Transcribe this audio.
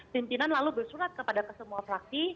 pimpinan lalu bersurat kepada semua fraksi